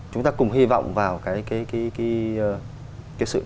chúng ta cùng hy vọng vào cái sự đáp ứng